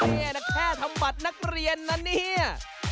นี่นะแค่ทำบัตรนักเรียนนะเนี่ย